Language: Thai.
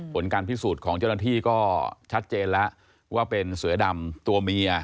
ผลการพิสูจน์ของเจ้าหน้าที่ก็ชัดเจนแล้วว่าเป็นเสือดำตัวเมีย